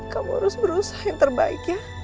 kamu harus berusaha yang terbaik ya